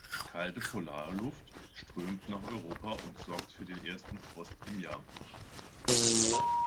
Kalte Polarluft strömt nach Europa und sorgt für den ersten Frost im Jahr.